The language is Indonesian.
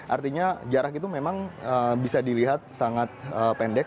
artinya jarak itu memang bisa dilihat sangat pendek